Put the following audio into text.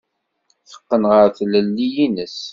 Teqqen ɣer tlelli-ines.